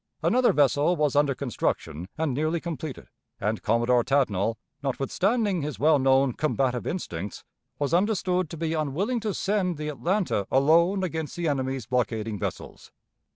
Another vessel was under construction and nearly completed, and Commodore Tatnall, notwithstanding his well known combative instincts, was understood to be unwilling to send the Atlanta alone against the enemy's blockading vessels.